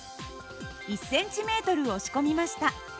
１ｃｍ押し込みました。